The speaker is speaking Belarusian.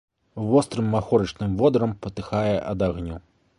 Вострым махорачным водарам патыхае ад агню.